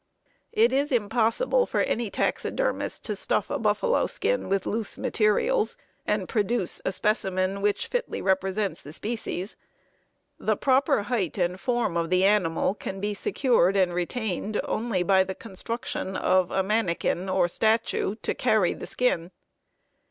It is impossible for any taxidermist to stuff a buffalo skin with loose materials and produce a specimen which fitly represents the species. The proper height and form of the animal can be secured and retained only by the construction of a manikin, or statue, to carry the skin.